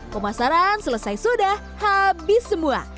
pemasaran selesai sudah habis semua